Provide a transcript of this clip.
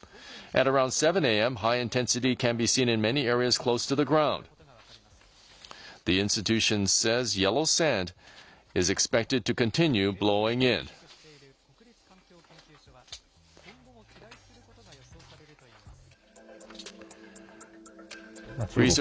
継続して観測している国立環境研究所は今後も飛来することが予想されるといいます。